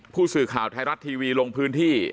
ผู้สื่อข่าวไทยรัฐทีวีลงพื้นที่